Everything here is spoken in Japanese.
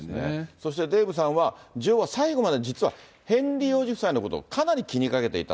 そして、デーブさんは、女王は最後まで実はヘンリー王子夫妻のことをかなり気にかけていた。